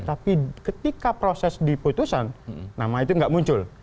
tapi ketika proses diputusan nama itu nggak muncul